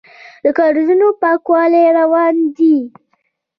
د کاریزونو پاکول روان دي؟